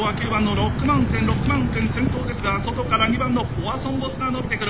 ロックマウンテン先頭ですが外から２番のポアソンボスが伸びてくる。